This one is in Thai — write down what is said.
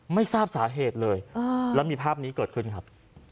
ไม่ทราบสาเหตุเลยแล้วมีภาพนี้เกิดขึ้นครับ